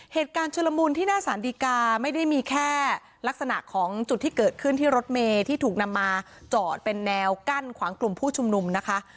ชุลมุนที่หน้าสารดีกาไม่ได้มีแค่ลักษณะของจุดที่เกิดขึ้นที่รถเมย์ที่ถูกนำมาจอดเป็นแนวกั้นขวางกลุ่มผู้ชุมนุมนะคะ